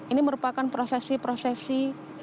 ini merupakan prosesi prosesi